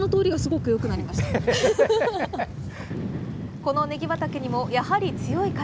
このねぎ畑にも、やはり強い風。